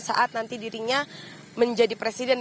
saat nanti dirinya menjadi presiden